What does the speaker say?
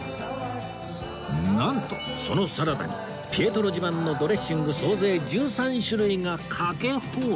なんとそのサラダにピエトロ自慢のドレッシング総勢１３種類がかけ放題